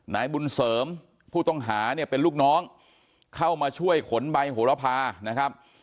นายบุญเสริมผู้ต้องหาเนี่ยเป็นลูกน้องเข้ามาช่วยขนใบโหระพานะครับ